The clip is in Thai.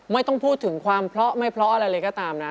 ไม่ต้องพูดถึงความเพราะไม่เพราะอะไรเลยก็ตามนะ